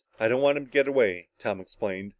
"I don't want him to get away," Tom explained.